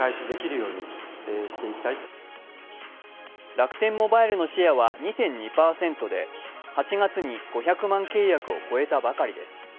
楽天モバイルのシェアは２．２％で８月に５００万契約を超えたばかりです。